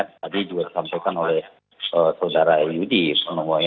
tadi juga disampaikan oleh saudara yudi